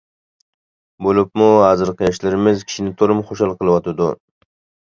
بولۇپمۇ ھازىرقى ياشلىرىمىز كىشىنى تولىمۇ خۇشال قىلىۋاتىدۇ.